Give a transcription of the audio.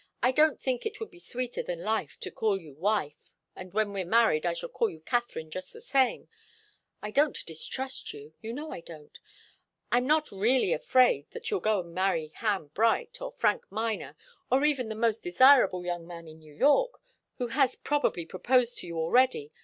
I don't think it would be sweeter than life to call you wife, and when we're married I shall call you Katharine just the same. I don't distrust you. You know I don't. I'm not really afraid that you'll go and marry Ham Bright, or Frank Miner, nor even the most desirable young man in New York, who has probably proposed to you already.